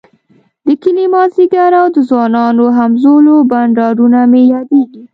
د کلي ماذيګر او د ځوانانو همزولو بنډارونه مي ياديږی